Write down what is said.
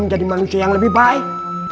menjadi manusia yang lebih baik